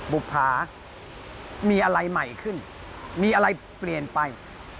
บุภามีอะไรใหม่ขึ้นมีอะไรเปลี่ยนไป